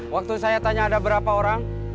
waktu saya tanya ada berapa orang